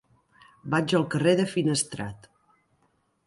Vaig al carrer de Finestrat.